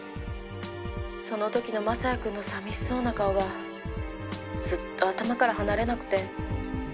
その時の将也くんの寂しそうな顔がずっと頭から離れなくて。